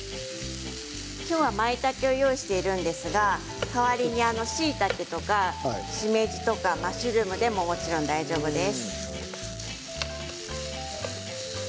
今日はまいたけを用意しているんですが代わりにしいたけとかしめじとかマッシュルームでももちろん大丈夫です。